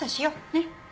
ねっ。